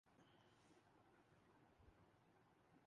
یقین رکھتا ہوں کہ کچھ بھی مکمل طور پر غلط یا صحیح نہیں ہوتا